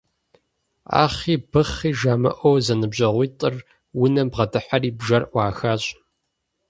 Ахъи-быхъи жамыӀэу зэныбжьэгъуитӀыр унэм бгъэдыхьэри бжэр Ӏуахащ.